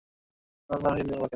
ওহ দাদী, প্লিজ বাহিরে যাও!